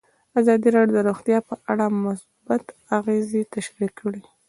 ازادي راډیو د روغتیا په اړه مثبت اغېزې تشریح کړي.